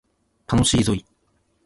楽しいぞい